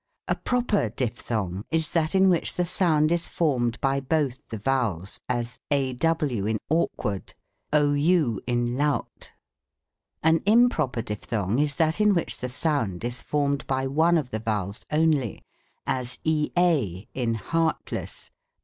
A proper dipthong is that in which the sound is formed by both the vowels : as, aw in awkward, ou in lout. ORTHOGRAPHY. 13 An improper dipthong is that in which the sound is formed by one of the vowels only, as ea in heartless.